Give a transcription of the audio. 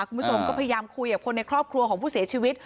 คุณผู้ชมก็พยายามคุยกับคนในครอบครัวของผู้เสียชีวิต